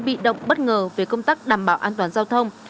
bị động bất ngờ về công tác đảm bảo an toàn giao thông